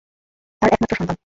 তার একমাত্র সন্তান।